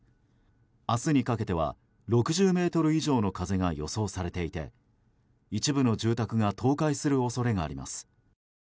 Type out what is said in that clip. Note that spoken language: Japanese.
明日にかけては６０メートル以上の風が予想されていて一部の住宅が倒壊する恐れがあります。